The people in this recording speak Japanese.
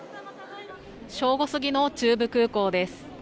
正午過ぎの中部空港です。